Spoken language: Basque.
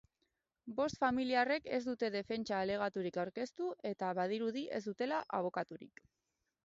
Bost familiarrek ez dute defentsa alegaturik aurkeztu eta badirudi ez dutela abokaturik.